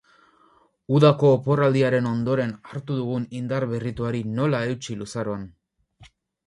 Udako oporraldiaren ondoren hartu dugun indarberrituari nola eutsi luzaroan.